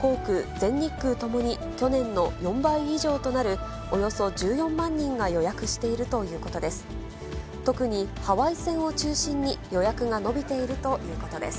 全日空ともに、去年の４倍以上となる、およそ１４万人が予約しているということです。